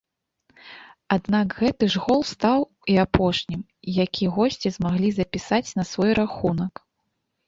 Аднак гэты ж гол стаў і апошнім, які госці змаглі запісаць на свой рахунак.